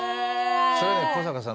それ古坂さん